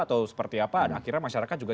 atau seperti apa dan akhirnya masyarakat juga